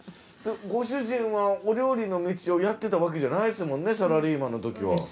ご主人はお料理の道をやってたわけじゃないですもんねサラリーマンのときは。